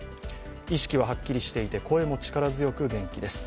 意識ははっきりしていて声も力強く、元気です。